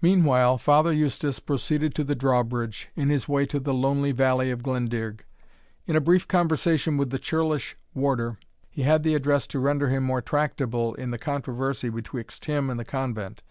Meanwhile, Father Eustace proceeded to the drawbridge, in his way to the lonely valley of Glendearg. In a brief conversation with the churlish warder, he had the address to render him more tractable in the controversy betwixt him and the convent.